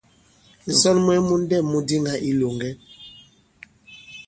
Ǹsɔn mwɛ̄ŋ mu ndɛ̂m mu diŋā i ilòŋgɛ.